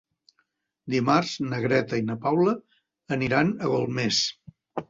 Dimarts na Greta i na Paula aniran a Golmés.